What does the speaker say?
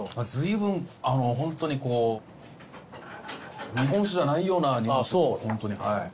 ずいぶんホントにこう日本酒じゃないような日本酒です